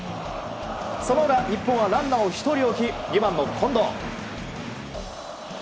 その裏、日本はランナーを１人置き２番の近藤。